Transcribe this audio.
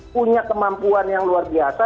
punya kemampuan yang luar biasa